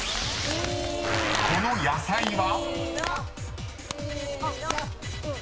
［この野菜は？］